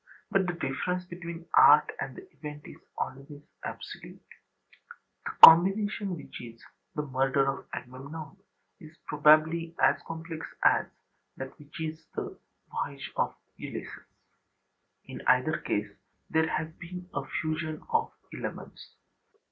But the difference between art and the event is always absolute; the combination which is the murder of Agamemnon is probably as complex as that which is the voyage of Ulysses. In either case there has been a fusion of elements.